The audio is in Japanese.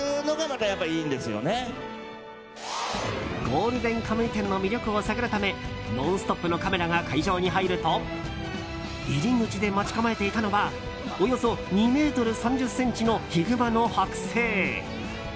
「ゴールデンカムイ展」の魅力を探るため「ノンストップ！」のカメラが会場に入ると入り口で待ち構えていたのはおよそ２ｍ３０ｃｍのヒグマのはく製。